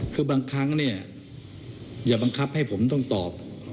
คือบางครั้งเนี่ยอย่าบังคับให้ผมต้องตอบ